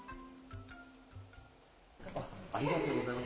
ありがとうございます。